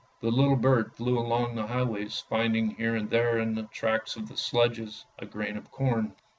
The little bird flew along the highways finding here and there in the tracks of the sledges a grain of corn.